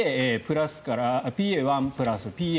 ＰＡ１プラスからＰＡ